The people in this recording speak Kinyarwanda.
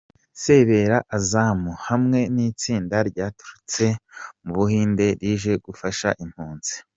Saber Azam hamwe n'itsinda ryaturutse mu Buhinde rije gufasha impunzi.